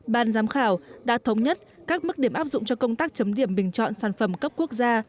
ban giám khảo đã thống nhất các mức điểm áp dụng cho công tác chấm điểm bình chọn sản phẩm cấp quốc gia